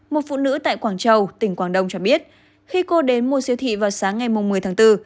một phụ nữ tại quảng châu tỉnh quảng đông cho biết khi cô đến mua siêu thị vào sáng ngày một mươi tháng bốn